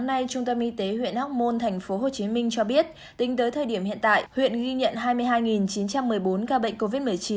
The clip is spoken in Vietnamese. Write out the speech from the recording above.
hôm nay trung tâm y tế huyện hóc môn tp hcm cho biết tính tới thời điểm hiện tại huyện ghi nhận hai mươi hai chín trăm một mươi bốn ca bệnh covid một mươi chín